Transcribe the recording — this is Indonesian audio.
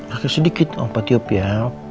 sakit sedikit opa tiup ya